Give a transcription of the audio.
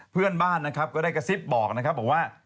เพื่อนบ้านนะครับก็ได้กระซิบบอกนะครับบอกว่า